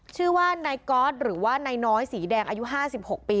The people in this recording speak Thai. ชื่อว่านายก๊อตหรือว่านายน้อยสีแดงอายุ๕๖ปี